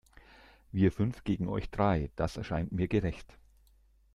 Wir fünf gegen euch drei, das erscheint mir gerecht.